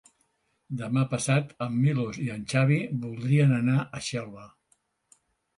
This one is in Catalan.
Demà passat en Milos i en Xavi voldrien anar a Xelva.